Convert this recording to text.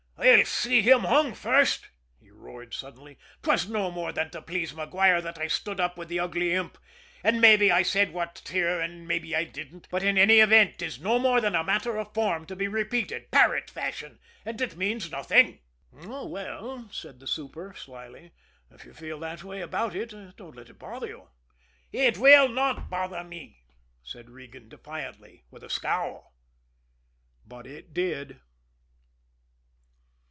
"I'll see him hung first!" he roared suddenly. "'Twas no more than to please Maguire that I stood up with the ugly imp! And mabbe I said what's here and mabbe I didn't, but in any event 'tis no more than a matter of form to be repeated parrot fashion and it means nothing." "Oh, well," said the super slyly, "if you feel that way about it, don't let it bother you." "It will not bother me!" said Regan defiantly, with a scowl. But it did.